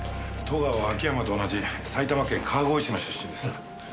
戸川は秋山と同じ埼玉県川越市の出身です。